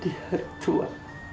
di hari tua